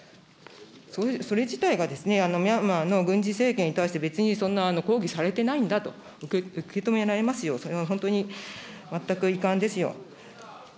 それ自体がミャンマーの軍事政権に対して別にそんな抗議されてないんだと受け止められますよ、それは本当に全く遺憾ですよ。